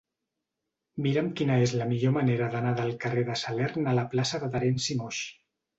Mira'm quina és la millor manera d'anar del carrer de Salern a la plaça de Terenci Moix.